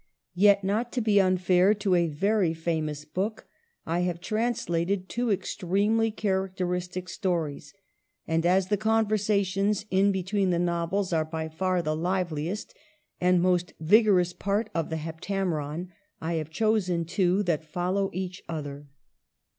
Yet, not to be unfair to a very famous book, I have translated two extremely characteristic stories ; and as the conversations in between the novels are by far the liveliest and most vigorous part of the *' Heptameron," I have chosen two that follow each other.